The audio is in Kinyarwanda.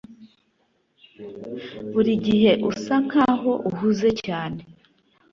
Burigihe usa nkaho uhuze cyane